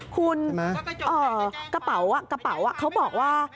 คุณเอ่อกระเป๋าอ่ะกระเป๋าอ่ะเขาบอกว่า